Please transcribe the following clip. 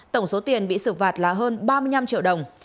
tổng số tiền bị xử phạt là hơn ba mươi năm triệu đồng